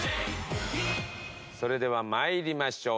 それでは参りましょう。